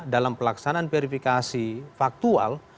dalam pelaksanaan verifikasi faktual